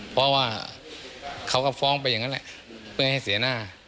เพราะว่าเขาก็ฟ้องไปอย่างนั้นแหละเพื่อให้เสียหน้า